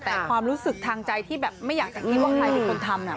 แต่ความรู้สึกทางใจที่แบบไม่อยากจะคิดว่าใครเป็นคนทำ